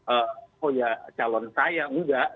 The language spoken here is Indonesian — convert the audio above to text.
oh ya calon saya enggak